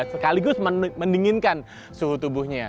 sekaligus mendinginkan suhu tubuhnya